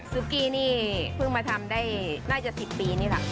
ซุกี้นี่เพิ่งมาทำได้น่าจะ๑๐ปีนี่แหละ